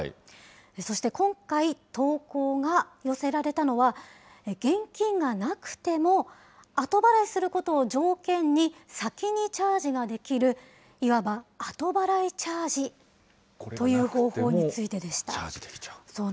そして今回投稿が寄せられたのは、現金がなくても、後払いすることを条件に、先にチャージができる、いわば、後払いチャージという方法についてでした。これがなくてもチャージができちゃう。